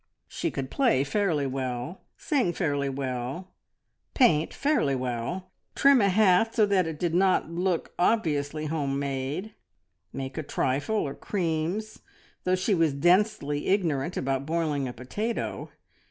She could play fairly well, sing fairly well, paint fairly well, trim a hat so that it did not look obviously home made, make a trifle or creams, though she was densely ignorant about boiling a potato.